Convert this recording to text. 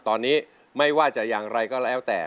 ตอนนี้ไม่ว่าจะอย่างไรก็แล้วแต่